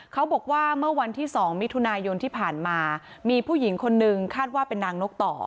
เขาบอกว่าเมื่อวันที่๒มิถุนายนที่ผ่านมามีผู้หญิงคนนึงคาดว่าเป็นนางนกต่อ